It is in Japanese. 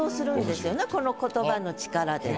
この言葉の力でね。